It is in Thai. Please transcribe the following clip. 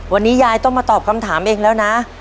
วันนี้ยายต้องมาตอบคำถามเองแล้วนะ